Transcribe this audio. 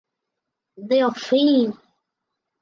Delphine!